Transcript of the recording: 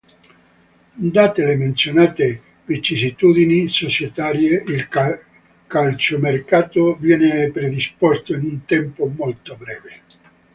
Date le menzionate vicissitudini societarie, il calciomercato viene predisposto in un tempo molto breve.